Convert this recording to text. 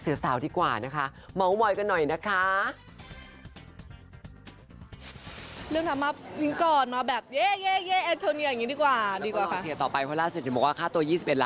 เพราะล่าเศรษฐ์จะบอกว่าค่าตัว๒๑ล้านบาทแหละ